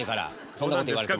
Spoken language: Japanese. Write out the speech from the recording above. そんなこと言われても。